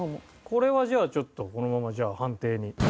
これはじゃあちょっとこのまま判定に。